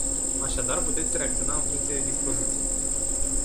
Așadar, puteți reacționa în funcție de dispoziție.